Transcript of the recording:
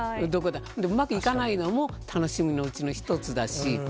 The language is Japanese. でもうまくいかないのも楽しみのうちの一つだし。